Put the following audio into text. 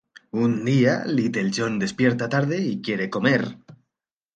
Un día, Little John despierta tarde y quiere comer.